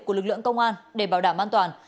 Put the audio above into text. của lực lượng công an để bảo đảm an toàn